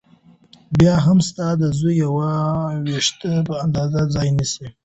بيا هم ستا د زوى د يوه وېښته په اندازه ځاى نيسي .